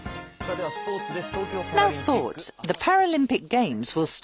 ではスポーツです。